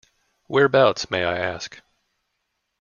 Whereabouts, may I ask?